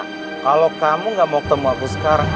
karena kalau kamu gak mau ketemu aku sekarang